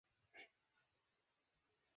তোমার পছন্দ হয়নি?